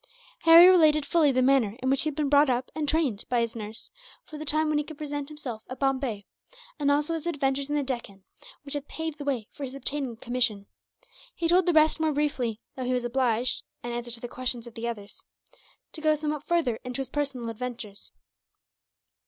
Harry related fully the manner in which he had been brought up and trained, by his nurse, for the time when he could present himself at Bombay; and also his adventures in the Deccan, which had paved the way for his obtaining a commission. He told the rest more briefly, though he was obliged, in answer to the questions of the others, to go somewhat further into his personal adventures.